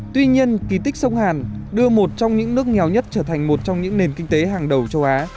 tuy nhiên kỳ tích sông hàn đưa một trong những nước nghèo nhất trở thành một trong những nền kinh tế hàng đầu châu á